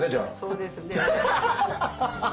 そうですね。